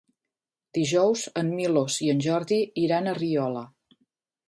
Dijous en Milos i en Jordi iran a Riola.